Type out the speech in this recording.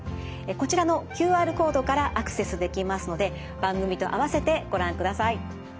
こちらのＱＲコードからアクセスできますので番組と併せてご覧ください。